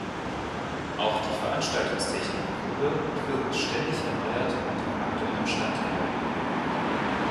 Auch die Veranstaltungstechnik wurde und wird ständig erneuert und auf aktuellem Stand gehalten.